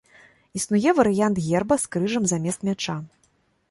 Існуе варыянт герба з крыжам замест мяча.